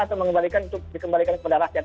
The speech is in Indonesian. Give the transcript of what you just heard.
atau mengembalikan untuk dikembalikan kepada rakyat